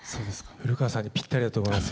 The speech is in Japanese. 古川さんにぴったりだと思います。